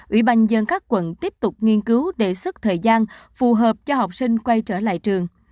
ủy banh dân các quận tiếp tục nghiên cứu để sức thời gian phù hợp cho học sinh quay trở lại trường